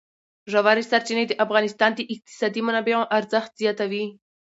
ژورې سرچینې د افغانستان د اقتصادي منابعو ارزښت زیاتوي.